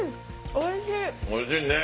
おいしいね。